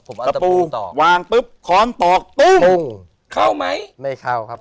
ผมเอาตะปูต่อวางปุ๊บค้อนตอกตุ้มเข้าไหมไม่เข้าครับ